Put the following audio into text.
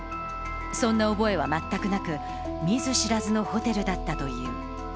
そんな覚えは全くなく見ず知らずのホテルだったという。